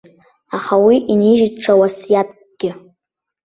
Аха уи инижьит ҽа уасиаҭкгьы.